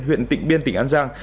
huyện tỉnh biên tỉnh an giang